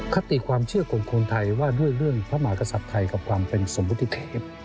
คติความเชื่อของคนไทยว่าด้วยเรื่องพระมหากษัตริย์ไทยกับความเป็นสมมุติเทพ